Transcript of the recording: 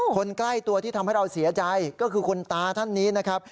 คนใกล้ตัวที่ทำให้เราเสียใจก็คือคุณตาท่านนี้นะครับ